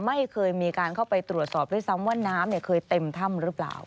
ไม่เคยมีการเข้าไปตรวจสอบด้วยซ้ำว่าน้ำเคยเต็มถ้ำหรือเปล่า